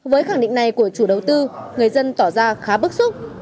với khẳng định này của chủ đầu tư người dân tỏ ra khá bức xúc